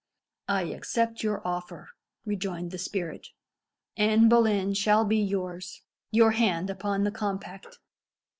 "I accept your offer," rejoined the spirit. "Anne Boleyn shall be yours. Your hand upon the compact."